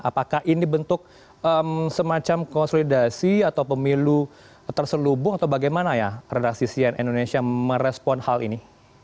apakah ini bentuk semacam konsolidasi atau pemilu terselubung atau bagaimana ya redaksi cnn indonesia merespon hal ini